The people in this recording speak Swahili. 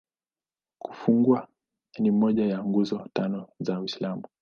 Kufunga ni moja ya Nguzo Tano za Uislamu.